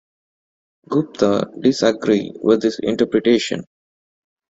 Gupta disagree with this interpretation.